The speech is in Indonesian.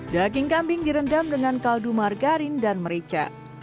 daging kambing direndam dengan kaldu margarin dan merica